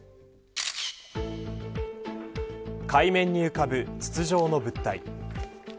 海面に浮かぶ筒状の物体。